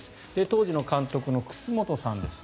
当時の監督の楠本さんです。